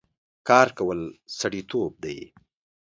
کار کول سړيتوب دی